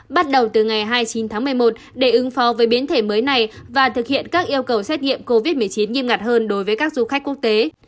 bắt đầu từ ngày hai mươi chín tháng một mươi một để ứng phó với biến thể mới này và thực hiện các yêu cầu xét nghiệm covid một mươi chín nghiêm ngặt hơn đối với các du khách quốc tế